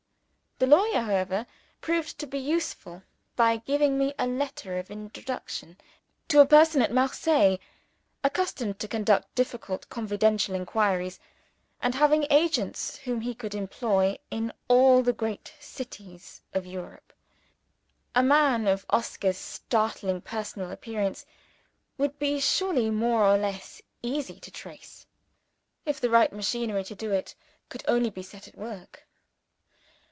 The lawyer, however, proved to be useful by giving me a letter of introduction to a person at Marseilles, accustomed to conduct difficult confidential inquiries, and having agents whom he could employ in all the great cities of Europe. A man of Oscar's startling personal appearance would be surely more or less easy to trace, if the right machinery to do it could only be set at work.